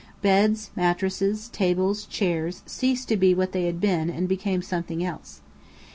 Beds, mattresses, tables, chairs ceased to be what they had been and became something else.